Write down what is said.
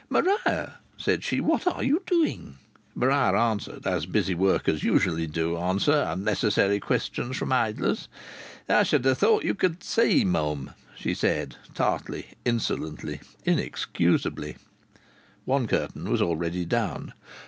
"Maria," said she, "what are you doing?" Maria answered as busy workers usually do answer unnecessary questions from idlers. "I should ha' thought you could see, mum," she said tartly, insolently, inexcusably. One curtain was already down.